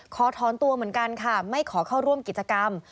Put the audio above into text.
ขอถอนตัวเหมือนกันค่ะไม่ขอเข้าร่วมกิจกรรม